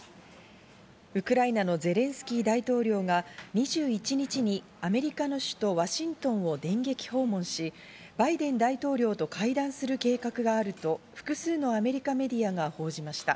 ウクライナのゼレンスキー大統領が２１日にアメリカの首都ワシントンを電撃訪問し、バイデン大統領と会談する計画があると複数のアメリカメディアが報じました。